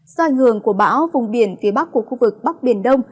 do ảnh hưởng của bão vùng biển phía bắc của khu vực bắc biển đông